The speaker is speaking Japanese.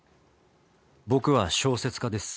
僕は小説家です。